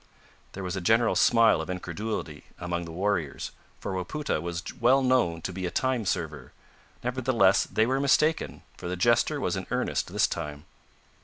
There was a general smile of incredulity among the warriors, for Wapoota was well known to be a time server: nevertheless they were mistaken, for the jester was in earnest this time.